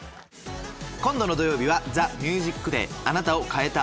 今度の土曜日は『ＴＨＥＭＵＳＩＣＤＡＹ』「あなたを変えた音」。